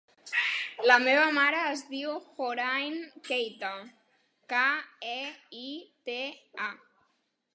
La meva mare es diu Hoorain Keita: ca, e, i, te, a.